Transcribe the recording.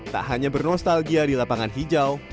tak hanya bernostalgia di lapangan hijau